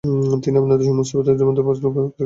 তিনি আপনাদেরকে মুসীবতের মাধ্যমে পরীক্ষা করছেন।